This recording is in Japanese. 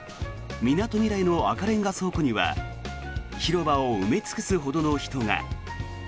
みなとみらいの赤レンガ倉庫には広場を埋め尽くすほどの人が。